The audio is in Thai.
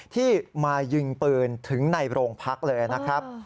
ที่มายิงปืนถึงในโรงพักเลยนะครับ